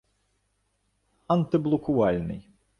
антиблокувальний